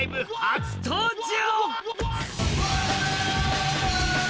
初登場！